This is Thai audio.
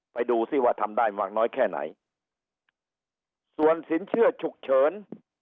ไปดูซิว่าทำได้มากน้อยแค่ไหนส่วนสินเชื่อฉุกเฉิน